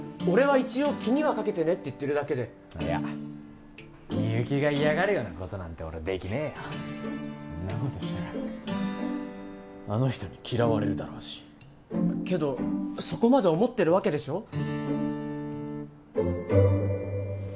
俺は一応気にはかけてねって言ってるだけでいやみゆきが嫌がるようなことなんて俺できねえよんなことしたらあの人に嫌われるだろうしけどそこまで思ってるわけでしょ？